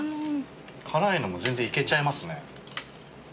辛いのも全然いけちゃいますね。